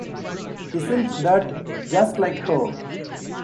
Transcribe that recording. Isn't that just like her?